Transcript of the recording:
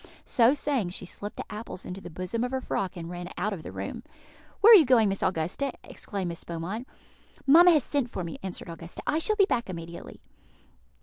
So saying, she slipped the apples into the bosom of her frock, and ran out of the room. "Where are you going, Miss Augusta?" exclaimed Miss Beaumont. "Mamma has sent for me," answered Augusta; "I shall be back immediately."